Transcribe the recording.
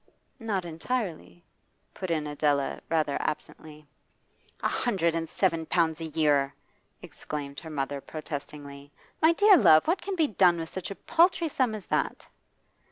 'Not entirely,' put in Adela rather absently. 'A hundred and seven pounds a year!' exclaimed her mother protestingly. 'My dear love, what can be done with such a paltry sum as that!